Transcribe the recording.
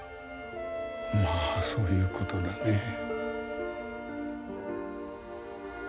まあそういうことだね。